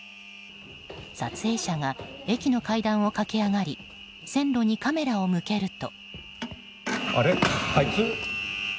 撮影者が駅の階段を駆け上がり線路にカメラを向けると。